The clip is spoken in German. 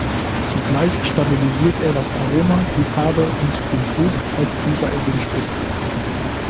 Zugleich stabilisiert er das Aroma, die Farbe und den Trub, falls dieser erwünscht ist.